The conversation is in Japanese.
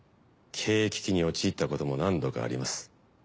経営危機に陥ったことも何度かあります。